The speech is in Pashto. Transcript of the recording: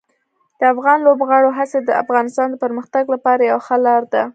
د افغان لوبغاړو هڅې د افغانستان د پرمختګ لپاره یوه ښه لار ده.